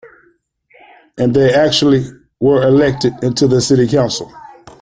And they actually were elected into the city council.